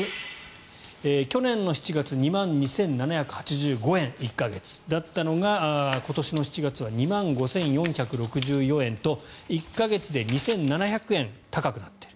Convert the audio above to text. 去年の７月１か月で２万２７８５円だったのが今年の７月は２万５４６４円と１か月で２７００円高くなっている。